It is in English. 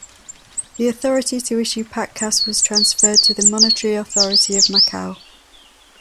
The authority to issue patacas was transferred to the Monetary Authority of Macau.